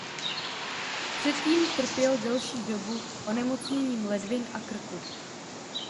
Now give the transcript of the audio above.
Předtím trpěl delší dobu onemocněním ledvin a krku.